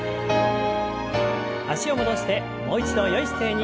脚を戻してもう一度よい姿勢に。